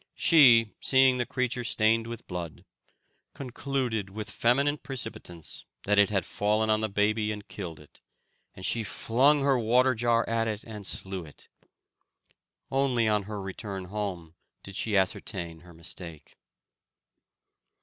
She, seeing the creature stained with blood, concluded, with feminine precipitance, that it had fallen on the baby and killed it, and she flung her water jar at it and slew it. Only on her return home did she ascertain her mistake.